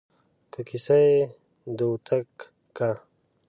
که کيسه يې د دوتک کا